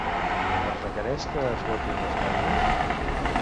Es requereix que es votin les causes?